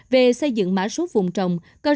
về xây dựng mã số vùng trồng